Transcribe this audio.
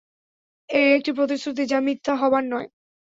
এই একটি প্রতিশ্রুতি যা মিথ্যা হবার নয়।